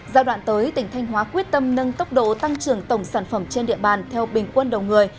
giai đoạn tới tỉnh thanh hóa quyết tâm nâng tốc độ tăng trưởng tổng sản phẩm trên địa bàn theo bình quân đầu người